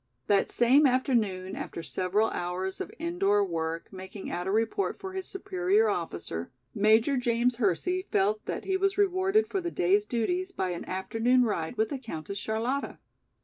That same afternoon after several hours of indoor work, making out a report for his superior officer, Major James Hersey felt that he was rewarded for the day's duties by an afternoon ride with the Countess Charlotta.